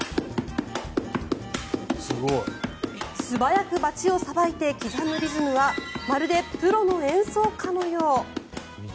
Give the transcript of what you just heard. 素早くばちをさばいて刻むリズムはまるでプロの演奏家のよう。